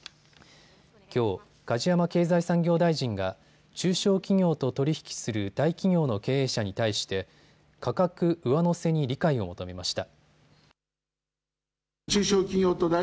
きょう梶山経済産業大臣が中小企業と取り引きする大企業の経営者に対して価格上乗せに理解を求めました。